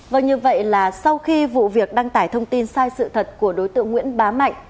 vâng như vậy là sau khi vụ việc đăng tải thông tin sai sự thật của đối tượng nguyễn bá mạnh